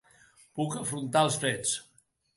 Puc afrontar els fets.